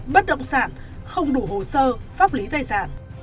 bất động sản không đủ hồ sơ pháp lý tài sản